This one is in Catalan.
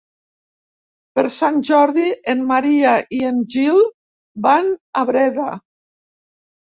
Per Sant Jordi en Maria i en Gil van a Breda.